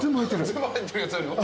全部入ってるやつあるよ。